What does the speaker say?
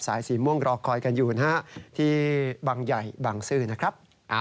สีม่วงรอคอยกันอยู่นะฮะที่บางใหญ่บางซื่อนะครับ